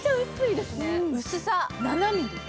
薄さ７ｍｍ。